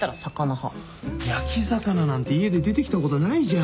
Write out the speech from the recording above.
焼き魚なんて家で出てきたことないじゃん。